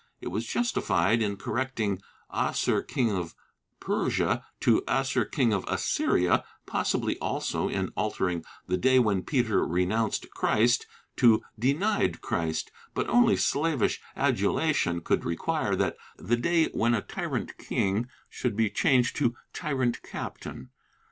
It was justified in correcting ^'Assur King of Persia" to "Assur King of Assyria;" possibly also in altering '^the day when Peter renounced Christ" to "denied Christ," but only slavish adulation could require that ''the day when a tyrant king" should be changed to "tyrant captain."